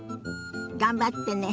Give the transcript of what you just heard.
頑張ってね。